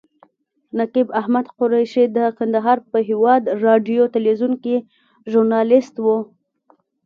نقیب احمد قریشي د کندهار په هیواد راډیو تلویزیون کې ژورنالیست و.